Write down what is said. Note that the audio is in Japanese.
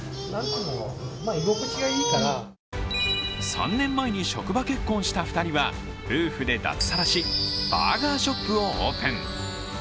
３年前に職場結婚した２人は夫婦で脱サラし、バーガーショップをオープン。